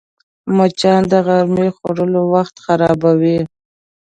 مچان د غرمې خوړلو وخت خرابوي